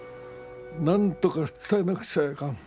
なんとか伝えなくちゃいかん。